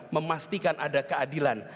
memastikan ada keadilan